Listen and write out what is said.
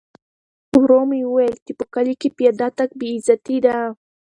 ورور مې وویل چې په کلي کې پیاده تګ بې عزتي ده.